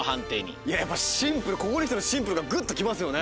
いややっぱシンプルここにきてのシンプルがぐっときますよね。